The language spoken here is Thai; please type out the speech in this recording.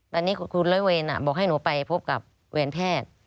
ตอนนี้คุณร้อยเวรบอกให้หนูไปพบกับเวรแพทย์